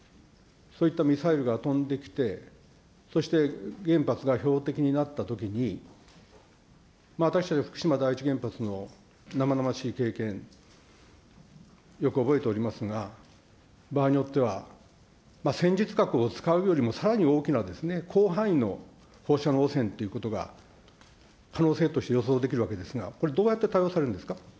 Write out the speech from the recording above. そういったミサイルが飛んできて、そして原発が標的になったときに、私たち、福島第一原発の生々しい経験、よく覚えておりますが、場合によっては戦術核を使うよりもさらに大きなですね、広範囲の放射能汚染ということが、可能性として予想できるわけですが、これ、どうやって対応されるんですか。